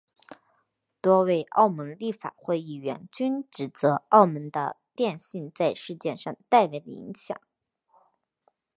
多位澳门立法会议员均指责澳门电讯在事件上带来的影响。